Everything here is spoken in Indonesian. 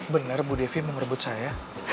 bener bu devi mau ngerebut saya